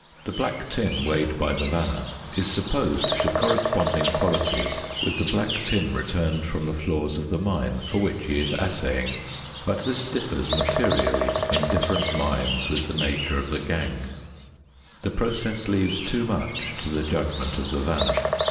The black tin weighed by the vanner is supposed to correspond in quality with the black tin returned from the floors of the mine for which he is assaying, but this differs materially in different mines with the nature of the gangue. The process leaves too much to the judgment of the vanner.